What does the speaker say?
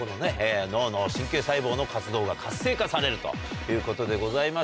脳の神経細胞の活動が活性化されるということでございまして。